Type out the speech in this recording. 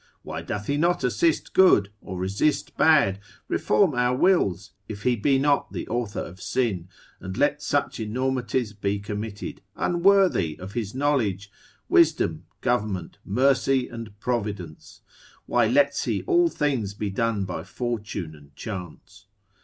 why doth he not assist good, or resist bad, reform our wills, if he be not the author of sin, and let such enormities be committed, unworthy of his knowledge, wisdom, government, mercy, and providence, why lets he all things be done by fortune and chance?